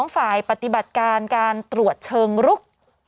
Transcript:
ฝ่ายปฏิบัติการการตรวจเชิงรุก